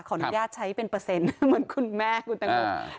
อนุญาตใช้เป็นเปอร์เซ็นต์เหมือนคุณแม่คุณแตงโม